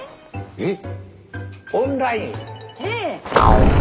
えっ！